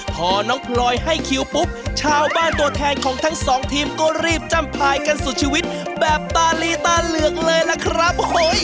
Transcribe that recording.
พอน้องพลอยให้คิวปุ๊บชาวบ้านตัวแทนของทั้งสองทีมก็รีบจ้ำพายกันสุดชีวิตแบบตาลีตาเหลืองเลยล่ะครับ